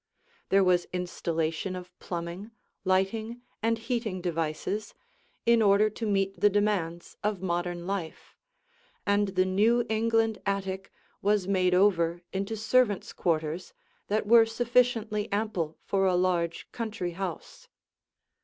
There was installation of plumbing, lighting and heating devices, in order to meet the demands of modern life, and the New England attic was made over into servants' quarters that were sufficiently ample for a large country house.